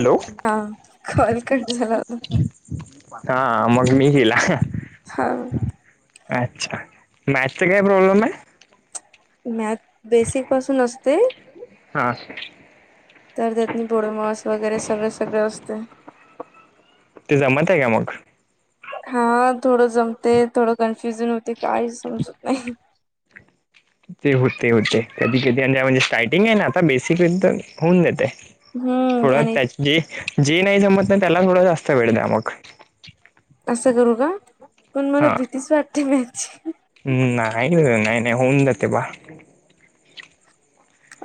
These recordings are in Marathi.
हॅलो हा कॉल कट झाला होता हा मग मी हिला हां अच्छा, मॅथ्सच काय प्रॉब्लेम आहे? मॅथ बेसिक पासून असते. हा तर त्यातनी पोडोमास वगैरे सगळं सगळं असतय. ते जमत आहे का मग? हा थोडं जमते थोडं कन्फ्युजन होते काहीच समजत नाही. ते होते होते कधी कधी आणि त्या म्हणजे स्टार्टिंग आहे ना आता बेसिक होऊन देते. हम्म थोडं आणि त्या जे नाही जमत नाही त्याला थोडा जास्त वेळ द्या मग असं करू का पण मला भीतीच वाटते मॅथ्सची. हम नाही नाही होऊन जाते बा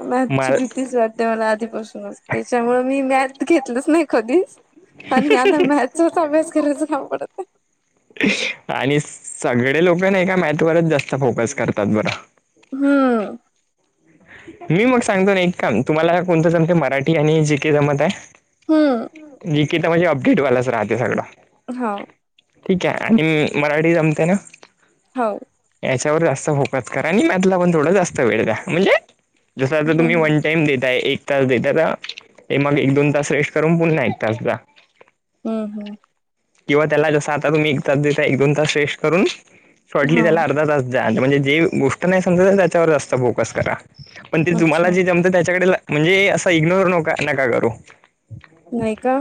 मॅथची मला भीतीच वाटते मला आधीपासूनच त्याच्यामुळे मी मॅथ घेतलंच नाही कधीच, आणि आता मॅथचाच अभ्यास करायचा [unintelligible] आणि सगळे लोक ना एका मॅथ वरच जास्त फोकस करतात बरं हम्म मी मग सांगतो ना एक काम तुम्हाला कोणतं जमते मराठी आणि जी केे जमत आहे. हम्म निकिता म्हणजे अपडेटवालाच राहते सगळं हाव ठीक आहे आणि मराठी जमते ना? हो याच्यावर जास्त फोकस करा आणि मॅथला पण थोडा जास्त वेळ द्या म्हणजे जस आता हम्म हम्म तुम्ही, टायम देताय एक तास देताय तर मग एक दोन तास रेस्ट करून पुन्हा एक तास जा, अहं किंवा त्याला जसं आता तुम्ही एक तास देताय एक दोन तास रेस्ट करून, हम्म शॉर्टली त्याला हो अर्धा तास झालं म्हणजे जे गोष्ट नाही समजत त्याच्यावर जास्त फोकस करा. पण ते तुम्हाला अच्छा जे जमत त्याच्याकडे, म्हणजे असा इग्नोर न नका करू. नाही का.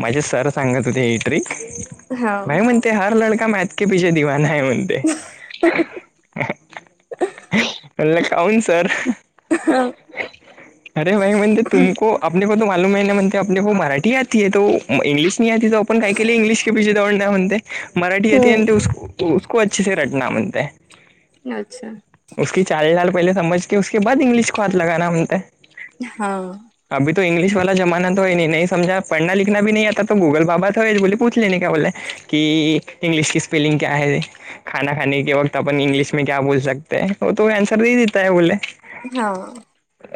माझे सर सांगत होते ही ट्रिक, हा नाही म्हणजे ते हर ते काऊन सर. हा अरे भाई म्हणते तुमको आपने को त मालूम आहे ना म्हणते आप को मराठी आ तो इंग्लिश नाही आती तो आपण काय के लिये इंग्लिश के दवडना है म्हणते. मराठी येतिये हम्म उस्को अच्छेसे रटना मंताय अच्छा उसकी चाल डाल पहिले समजकेे उसके बाद इंग्लिश को हात लगाना मंगताय. हा अभी त इंग्लिश वाला जमाना तो हे ही नाही समजा पढना लिखना भी नाही आता तो गुगल बाबा [unintelligible] बोले पूछलेणे का बोले की इंग्लिश की स्पेलिंग क्या है. खाना खाने के वक्त आपण इंग्लिश मे क्या बोल सकते हो तो आंसर नाही देता है बोले हा.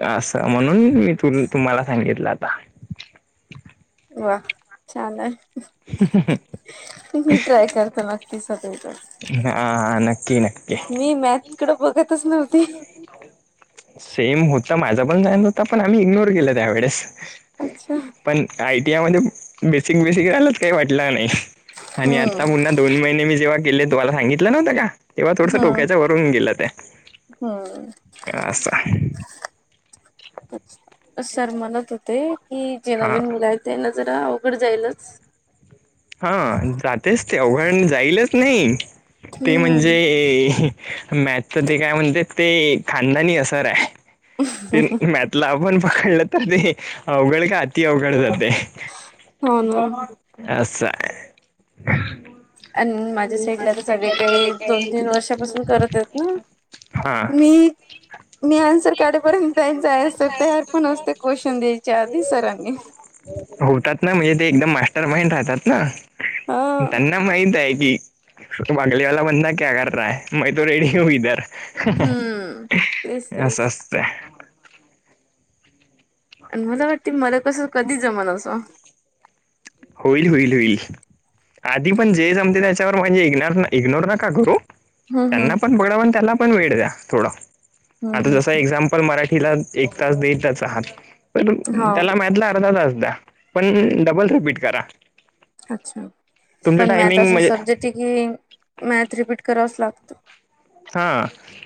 असं, म्हणून मी तु तुम्हाला सांगितलं आता. वा छान आहे, मी ट्राय करत तर नक्कीच सगळीच. हा हा, नक्की नक्की. मी मॅथकडे बघतच नव्हती. सेम होतं माझा पण, जाई नव्हता पण आम्ही इग्नोर केलं त्यावेेळेस. अच्छा. पण आयटीआय मध्ये बेसिक बेसिक राहिलाच काही वाटलं नाही आणि हम्म आता मुलांना दोन महिने मी जेव्हा केले तुहाला सांगितलं नव्हतं का, तेव्हा थोडसं डोक्याच्या वरून गेलं ते. हम्. तासा. सर म्हणत होते की जे हा नवीन मुलं आहेत त्यांना जरा अवघड जाईलच. हा जातेच ते अवघड, जाईलच नाही. ते हम्म म्हणजे मॅथच ते काय म्हणते ते खानदानी असर आहे. ते आपण पकडलं तर ते अवघड का अति अवघड जाते. हो ना असांय. आणि माझ्या साईडला तर सगळे काही दोन तीन वर्षापासून करत आहेत ना. हा मी. मी आन्सर काढेपर्यंत त्याचं आन्सर तयार पण असते क्वेशचन द्यायच्या आधी सरांनी. होतात ना म्हणजे ते एकदम मास्टर माइंड राहतात ना. हा त्यांना माहित आहे की बागले वाला बंदा क्या कर रहा ह मै तो रेडी हू इधर. हम्म तेच तेच असं असतं. आणि मला वाटते मला कसं कधी जमन असं. होईल होईल होईल आधी पण जे जमते त्याच्यावर म्हणजे इग्नोर इग्नोर नका करू. हम्म हम्म त्यांना पण पडा त्यांना पण वेळ द्या थोड, आता हम्म जस हम्म एक्झाम पण मराठीला एक तास देतच आहात पण हम्म त्याला मॅथ्स् ला अर्धा तास द्या. पण डबल रिपीट करा. अच्छा तुमचं पण मॅथ टायमिंग असा म्हणजे सब्जेक्ट आहे की मॅथ रिपीट करावच लागतं. हा.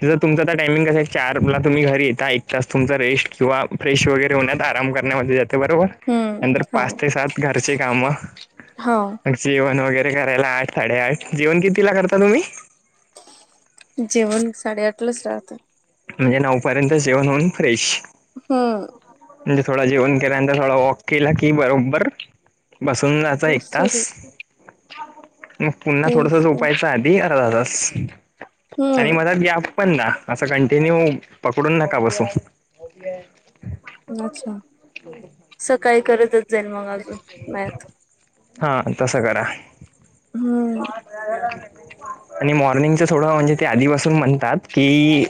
त तुमच आता टाइमिंग कस आहे चार ला तुम्ही घरी येता एक तास तुमचा रेस्ट किंवा फ्रेश वगैरे होण्यात आराम करण्यामध्ये जाते बरोबर, हम्म नंतर पाच हो. ते सात घरचे काम. हो. जेवण वगैरे करायला आठ साडेआठ, जेवण किती ला करता तुम्ही? जेवण साडेआठलाच राहतं. म्हणजे नऊपर्यंत जेवण होऊन फ्रेश. हम म्हणजे थोडा जेवण केरांतर थोडा वॉक केला की बरोबर- बसून जायचं एक तास. स्टडी मग पुन्हा तेच थोडस तर उपायच आधी अरच आणि हम्म. मला या- पण ना असं कंटिन्यू पकडून नका बसू. अच्छा सकाळी करतच जाईल मग अजून मत- हा तसं करा. हम्म आणि मॉर्निंगच थोडं म्हणजे ते आधीपसून म्हणतात. कि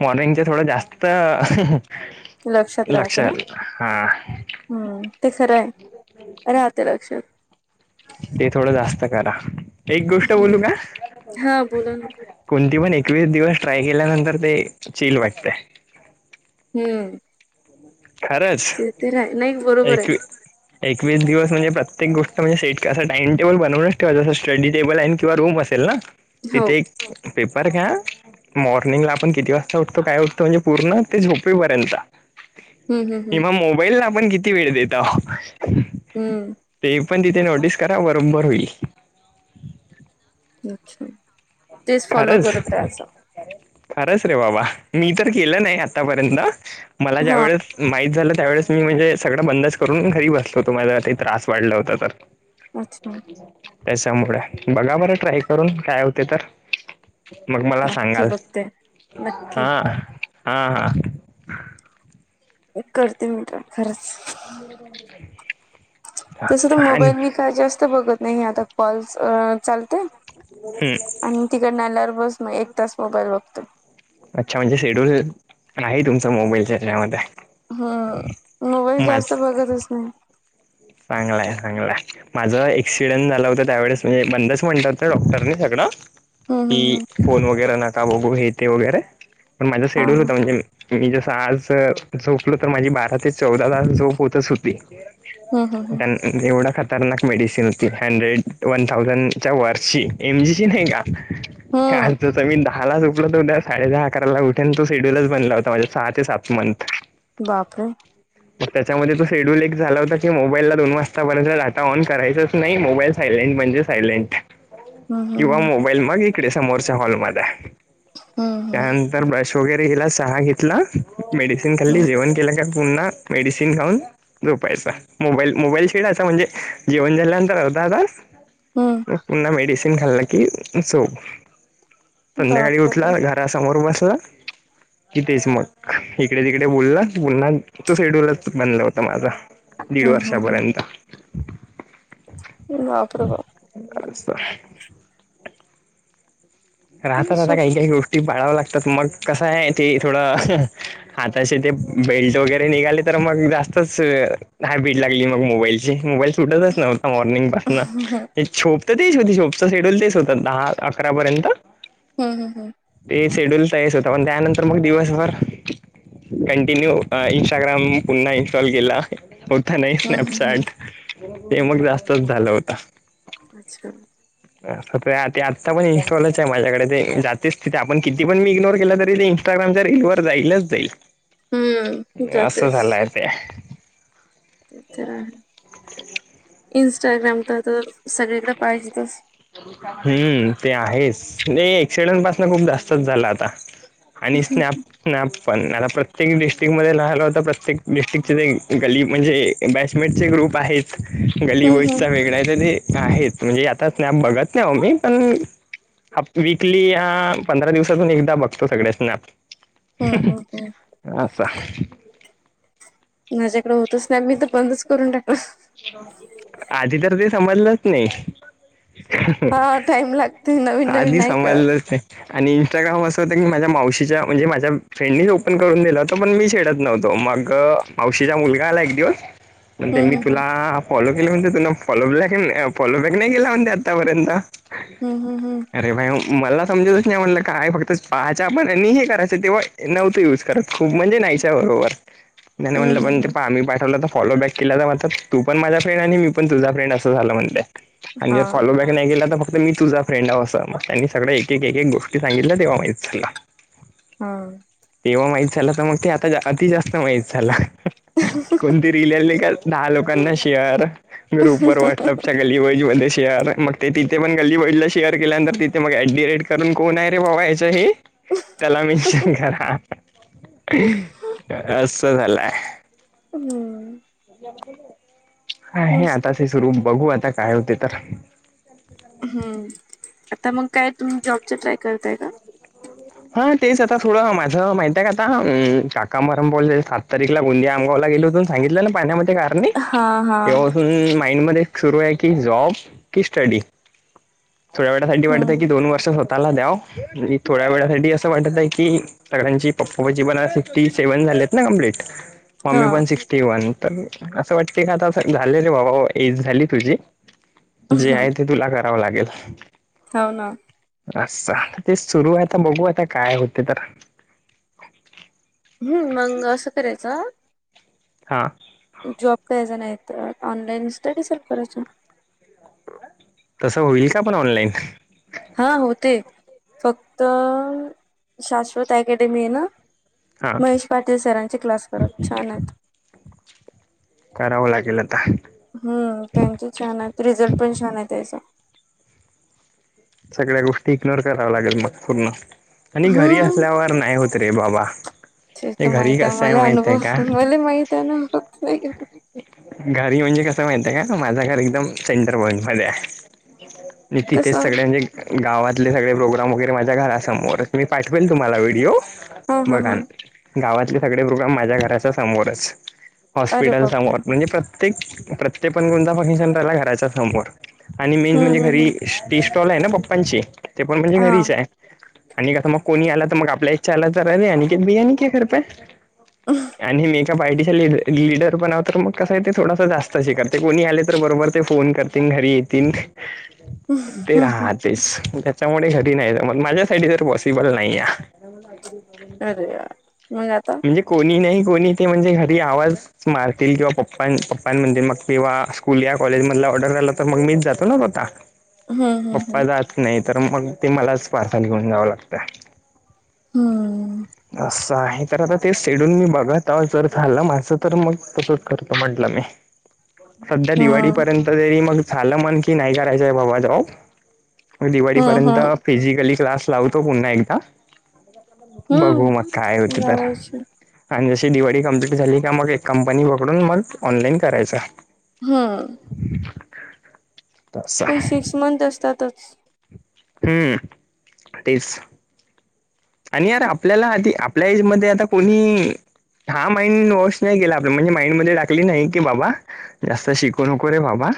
मॉर्निंगचे थोडं जास्त लक्षात राहत ना लक्षल, हा. हम्म! ते खरं आहे, राहते लक्षात. ते थोडं जास्त करा. एक गोष्ट हम्म बोलू का? हा बोला ना. कोणती पण एकवीस दिवस ट्राय केल्यानंतर ते चील वाटते. हम्म खरंच ते तर आहे नाही बरोबर एक आहे एकवीस दिवस म्हणजे प्रत्येक गोष्ट म्हणजेट क असं टाम टेल बनवूनच ठेवा जं स्टटडी टेबल आहे किंवा रूम असेल ना. हो. तिथे एक पेपर घ्या. मॉर्निंगला आपण किती वाजता उठतो काय उठतो म्हणजे पूर्ण ते झोपेपर्यंत. हम्म हम्म ह हम्म म मोबाईलला आपण किती वेळ देतो? हम्म. ते पण तिथे नोटीस करा बरोबर होईल. अच्छा तेच फॉलो खरंच करत रहाचां. खरंच रे बाबा मी तर केलं नाही आतापर्यंत मला हा ज्यावेेळेस माहित झालं त्यावेळेस. मी म्हणजे सगळं बंदच करून घरी बसलो होतो माझला ते त्रास वाढला होता तर- अच्छा त्याच्यामुळे बघा बरं ट्राय करून काय होते तर, - मग मला नक्की सांगाल बघते नक्की. हा हा हा. करते मी ट्राय खरंच. तस तर आणि मोबाईल मी काय जास्त बघत नाही आता कॉल चालते. हम्म. आणि तिकडनल्यावर बस मग एक तास मोबाईल बघतोय. अच्छा म्हणजे शेड्यूल आहे तुमचा मोबाईलच्या त्यामध्ये. हम्म मोबाईल जास्त बघतच नाही. चांगलंय चांगलंय. माझं एक्सिडेंट झालं होतं त्यावेळेस म्हणजे बंदच म्हणत होतं डॉक्टरने सगळं हम्म हम्म की हम्म फोन वगैरे नका बघू हे ते वगैरे. पण माझा हा शेड्यल हा होता म्हणजे मी जसं आज झोपल तर माझी बारा ते चौदा तास झोप होतच होती हम्म हम्म त्यां एवढं खतरनाक मेडिसिन होती हंड्रेड वन थाउजंडच्या वर्ची एमजीची नाही का? हम्म हम्म हलत. मी दहाला झपलत होद्या साडे दहा अकराला उठ तो शेड्यूलच बनला होता माझे सहा ते सात मंथ. बापरे. मग त्याच्यामध्ये तो शेड्यूल एक झाला होता की मो मोबाईलला दोन वाजतापर्यंत डाट न करायच नाही मोबाईल सायलेंट म्हणजे सायलेंट. हम्म किंवा हम्म मोबाईल मग इकडे समोरच्या हॉल म हम्म. हम्म त्यान तर ब्रश वगैरे गेला चहा घेतला मेडिसिन खाल्ली हम्म जेवण केलं का पुन्हा मेडिसीन खाऊन झोपायचा. मोबाईल मोबाईलशी म्हंजे असं म्हणजे जेवन झाल्यानंतर अर्धा तास. हम्म. मेडस खाल की झोप संध्याकाळी बापरे बाप उठलं समर बस इथेच मग इकडे तिकडे बोलला बन्हा तो सेड्यूलच बनला होता माझा. दीड हम्म हम्म वर्षापर्यंत. बाप रे बाप. असं हाय. राहता राहता काही सोप काही गोष्टी बाळाव्या लागतात मग कसं आहे ते थोडं आता असे ते बेल्ट वगैरे निघाले तर मग जास्तच हाय भीट लागली मग मोबाईलची मोबाईल सुटतच नव्हता मॉर्निंग ना हम्म हम्म शोप तर तेच होती शोपच शेड्यूल तेच होतं दहा अकरापर्यंत. हम् हम् हम. ते शेड्यूल तरच होता पण त्यानंतर मग दिवसभर. कंटिन्यू इंस्टाग्राम पुन्हा इन्स्टॉल केला. होत नाही हम्म हम्म स्नॅपचॅट हे मग जास्तच झालं होत. अच्छा. आ आत्ता पण इनस्टालच आहे माझ्याकडे ते जातेच तिथे आपण किती पण मी इग्नोर केला तरी तेई इंस्टाग्रामच्या रील वर जाईलच हम्म जाईल असं जातेच झालंय ते. ते तर आहे इं्स्टाग्राम तर तर सगळीकडे पाहिजे तच हम्म ते आहेच नाही एक्सिडेंट पासन खूप जास्तच झालं आता आणि स्नॅप ना पण मला प्रत्येक डिस्ट्रिक्ट ममध्येध्ये राहाला होत प्रत्येक डिस्ट्रिकचे ते गली म्हणजे बॅटमेटचे ग्रुप आहेत गलीबोई हम्म हम्म वेगळ तरी आहेत म्हणजे आताच नाही बघत नाही आ मी पण ह वीकली ह पंधरा दिवसातून एकदा बघतो सगळ्यांसना हम्म हम् हम् असचछा माझ्याकडें होतच ना मी तर बंदच करून टाकल आधी तर ते समजलंच नाही हा टाइम लागते नवीन नवीन आधी नाही कळत सभजलंच नाही आणि इन्स्टाग्राम असं होत की माझ्या मावशीच्या म्हणजे माझ्या फ्रेंडनी ओपन करून दिला होतं पण मी शेडत नव्हतो मग पावशीचा मुलगा आला एक दिवस हम्म त्यांनी हम्म हा फॉलो केली म्हणते तुं फॉलो बॅक फॉलो बॅक नाही केला म्हणते आतापर्यंत हम् हम् हम् अरे बा मला समजतच नाही म्हटलं काय फक्त पाहायं पण आणि हे करायचं तेव्हा नव्हतं युज करात खूप म्हणजे नाहीच आहे बरोबर त्या म्हटलं हम्म हम्म पण हम्म हम्म ते आम्ही पाठवलं तर फॉलो बॅक केला तर मात तू पण माझा फ्रेंड आणि मी पण तुझा फ्रेंड असं झाला म्हणते हा आणिर फॉलो बॅ नाही गेलं तर फक्त मी तुझ फ्रेड आहे असं त्यांनी सग्या एक एक गोष्टी सांगितल्या तेव्हा माहित सला हम तेव्हा माहीत झालं तर मग ते आता अति जास्त माहित झालं कोणती रीलली का दहा लोकांना शेअर ग्रुप व व्हॉट्सअपच्या गल्लीबज मध्ये शेअर मग ते तिथे पण गलीबजला शेअर केल्यानंतर तिथ मग ऍडेट कारण कोण आहे रे बवायचंही त्याला मिेनशन करा असं झालंय हम्म आहे हे मस्त आता ते सुरू बघू आता काय होते तर हम्म आता मग काय तुम्ही जॉबचा ट्राय करताय का हा तेच आता थोडं माझं माहित आहे का आता काका मरम बोलले तररीकला गोंदि आमगाव गेली होून सांगितलं ना पाण्यामध्ये का हा हा तेव्हा पासून माइंड मध्ये सुरू आहे की जॉब की स्टडी थोड्या वेळासाठी वाटत हम्म आहे की दोन वर्ष स्वतःला द्याव आणि थोड्या वेळासाठी असं वाटत आहे की सगळ्यांची पप्पापाची पण सिक्स्टी सेव्हन झालीत ना कमप्लीट हा मम्मी पण सिक् ी वन तर असं वाटते का आता झालेले बाबा एज झाली तुझी जे हम्म. आहे ते तुला करावं लागेल हो ना अस ते सुरू आहे आता बघू आता काय होते तर हम्म मग असं करायचं हा जॉब कयचा नाही तर ऑनलाईन स्टडी सर्च करायचं तसं होईल का पण ऑनलाईन हा होते फक्त शाश्वत अकॅडमी ना हा महेश पाटील सरांचे क्लास करत छान आहेत करावं लागेल आता हम्म त्यांचे छान आहे रिझल्ट पण छान आहेत असं सगळ्या गोष्टी इग्नोर कराव्या लागेल मग पूर्ण आणि घरी हम्म असल्यावर नाही होत रे बाबा चित ते घरी माहती आहे कसं मला माहित अुभव आहे का आ मला माहित आहेय नात नाही ग घरी म्हणजे कसं माहित आहे का माझं घर एकदम सेंटर भवन मध्ये आहे मी कस तिथेच सगळे हा म्हणजे गावातले सगळे प्रोग्राम वगैरे माझ्या घरासमोर मी पाठवेल तुम्हाला व्हिडिओ हा हा बघाना गावातले सगळे प्रोग्राम माझ्या घराच्या समोरच अरे हॉस्पिटल बापरे समोर म्हणजे प्रत्येक प्रत्येक पण कोणता फंक्शन चालू घराच्या समोर आणि मेन हम्म म्हणजे हम्म घरी हम्म टी स्टॉल आहे ना पप्पांची ते पण म्हणजे हा घरीच आहे आणि आता मग कोणी आला तर मग आपल्या इथ चहाला तर अरे अनिकेत भय्या है नही क्या घर पे आणि मेकअप आयटीस [unintelligible] लिडर बनव तर मग कसा य ते थोडासा जास्तच हे करते कोणी आले तर बरोबर ते फोन करतील घरी येतील हम्म, ते हम्म. राहतेच त्याच्यामुळे घरी नाही जमत माझ्या साठी तर पॉसिबल नाही य [unintelligible] [inaudible] अरे यार मग आता म्हणजे कोणी नाही कोणी ते म्हणजे घरी आवाज मारतील किंवा पप्पा पप्पां म्हणतील मग किंवा स्कूल या कॉलेजमधला ऑर्डर झाला तर मग मीच जातो ना स्वतः हम्म पप्पा हम्म जात नाही तर मग ते मलाच पार्सल घेऊन जावं लागतय हम्म असं आहे तर आता ते शेडूल मी बघत आहो जर झालं माझं तर मग तसच करतो म्हटलं मी सध्या हम्म दिवाळीपर्यंत तरी मग झालं मन कि नाही करायचंय बाबा जॉब हम्म दिवाळीपर्यंत हम्म फिजिकली क्लास लावतो पुन्हा एकदा बघू मग हम्म काय हो लावायची आणि जशी दिवाळी कंप्लीट झाली का मग एक कंपनी पकडून मग ऑनलाईन करायच हम्म [inaudible] पण सिक्स मंथ असतातच हम्म तेच आणि यार आपल्याला आधी आपल्या एजमध्ये आता कोणी हा माइंड वॉश नाही केला आपलं म्हणजे माइंडमध्ये टाकली नाही की बाबा जास्त शिकू नको रे बाबा